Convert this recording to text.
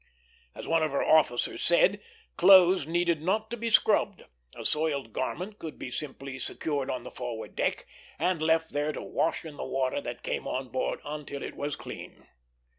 As one of her officers said, clothes needed not to be scrubbed; a soiled garment could be simply secured on the forward deck, and left there to wash in the water that came on board until it was clean.